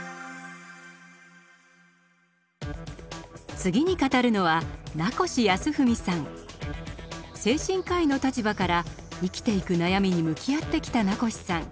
次に語るのは精神科医の立場から生きていく悩みに向き合ってきた名越さん。